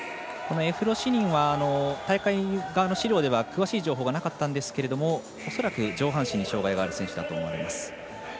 エフロシニンは大会側の資料では詳しい情報がなかったんですけれども恐らく上半身に障がいがある選手だと思います。